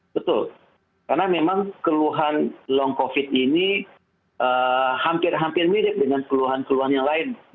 betul karena memang keluhan long covid ini hampir hampir mirip dengan keluhan keluhan yang lain